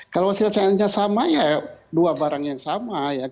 kalau hasilnya sama ya dua barang yang sama ya